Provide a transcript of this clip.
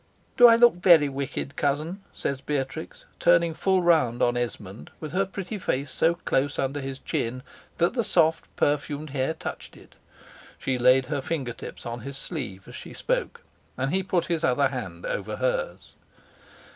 "Do I look very wicked, cousin?" says Beatrix, turning full round on Esmond, with her pretty face so close under his chin, that the soft perfumed hair touched it. She laid her finger tips on his sleeve as she spoke; and he put his other hand over hers.